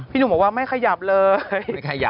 หนุ่มบอกว่าไม่ขยับเลย